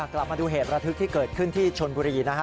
กลับมาดูเหตุระทึกที่เกิดขึ้นที่ชนบุรีนะฮะ